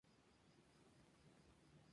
Es el más mayor de todos, pero no el más sabio.